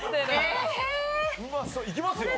いきますよ。